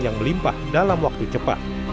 yang melimpah dalam waktu cepat